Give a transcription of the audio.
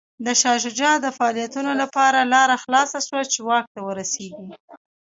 د شاه شجاع د فعالیتونو لپاره لاره خلاصه شوه چې واک ته ورسېږي.